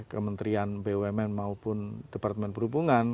kementerian bumn maupun departemen perhubungan